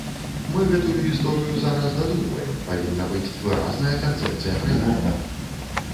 Мы гэтую гісторыю зараз дадумваем, павінна быць выразная канцэпцыя праекта.